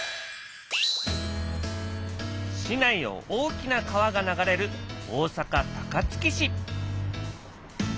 市内を大きな川が流れる大阪・高槻市。